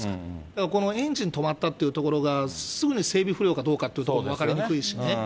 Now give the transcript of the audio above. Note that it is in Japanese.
だからこのエンジン止まったってところが、すぐに整備不良かどうかっていうところも分かりにくいしね。